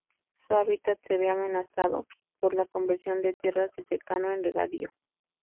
Su hábitat se ve amenazado por la conversión de tierras de secano en regadío.